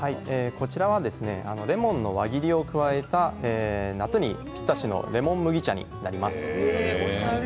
こちらはレモンの輪切りを加えた夏にぴったりのレモン麦茶になります。